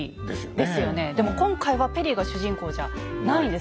でも今回はペリーが主人公じゃないんです。